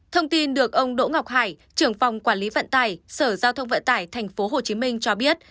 thông tin được ông đỗ ngọc hải trưởng phòng quản lý vận tải sở giao thông vận tải tp hcm cho biết